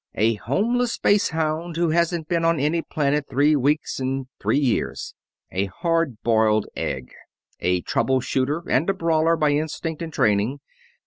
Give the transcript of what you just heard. A homeless spacehound who hasn't been on any planet three weeks in three years. A hard boiled egg. A trouble shooter and a brawler by instinct and training.